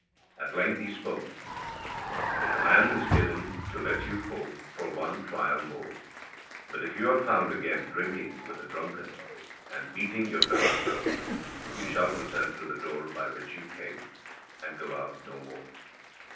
At length he spoke: "The command is given to let you forth for one trial more. But if you are found again drinking with the drunken, and beating your fellow servants, you shall return through the door by which you came, and go out no more."